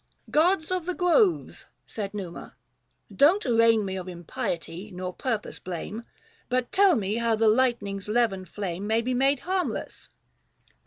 " Gods of the groves I " said Numa, " don't arraign Me of impiety — nor purpose blame — 33o But tell me how the lightning's leven flame May be made harmless